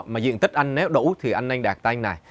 mà diện tích anh nếu đủ thì anh nên đặt tên này